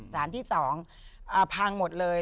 สารที่๒พังหมดเลย